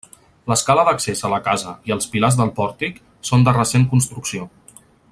L'escala d'accés a la casa i els pilars del pòrtic són de recent construcció.